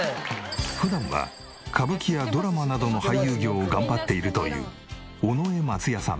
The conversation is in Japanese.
普段は歌舞伎やドラマなどの俳優業を頑張っているという尾上松也さん。